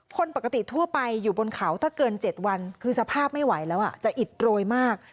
คนปกติทั่วไปอยู่บนเขาถ้าเกิน๗วันคือสภาพไม่ไหวแล้วจะอิดโรยมาก